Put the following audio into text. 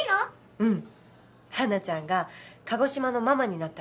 うん！